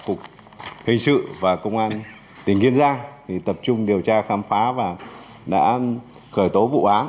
cục hình sự và công an tỉnh kiên giang tập trung điều tra khám phá và đã khởi tố vụ án